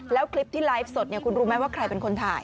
แล้วคลิปที่ไลฟ์สดคุณรู้ไหมว่าใครเป็นคนถ่าย